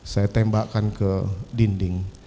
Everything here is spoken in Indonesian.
saya tembakkan ke dinding